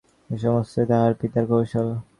এ-সমস্তই তাঁহার পিতার কৌশল।